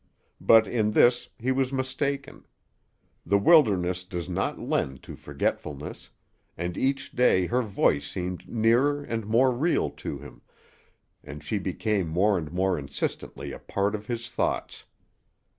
But in this he was mistaken. The wilderness does not lend to forgetfulness, and each day her voice seemed nearer and more real to him, and she became more and more insistently a part of his thoughts.